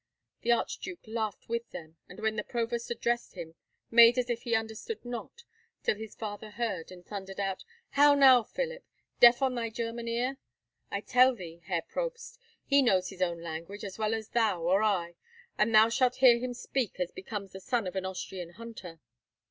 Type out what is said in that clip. The Archduke laughed with them, and when the Provost addressed him, made as if he understood not, till his father heard, and thundered out, 'How now, Philip! Deaf on thy German ear? I tell thee, Herr Probst, he knows his own tongue as well as thou or I, and thou shalt hear him speak as becomes the son of an Austrian hunter.